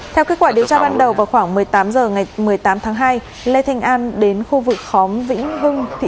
theo kết quả điều tra ban đầu vào khoảng một mươi tám h ngày một mươi tám tháng hai lê thanh an đến khu vực khóm vĩnh hưng